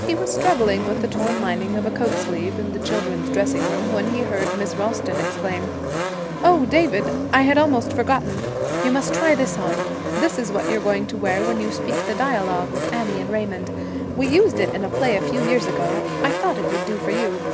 He was struggling with the torn lining of a coat sleeve in the children's dressing room, when he heard Miss Ralston exclaim, 'Oh, David! I had almost forgotten. You must try this on. This is what you're going to wear when you speak the dialogue with Annie and Raymond. We used it in a play a few years ago. I thought it would do for you.'